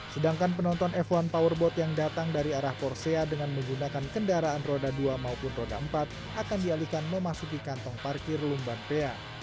sedangkan penonton f satu powerboat yang datang dari arah forcea dengan menggunakan kendaraan roda dua maupun roda empat akan dialihkan memasuki kantong parkir lumban pea